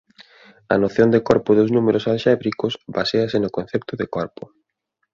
A noción de corpo dos números alxébricos baséase no concepto de corpo.